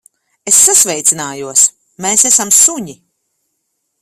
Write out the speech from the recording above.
Es sasveicinājos. Mēs esam suņi.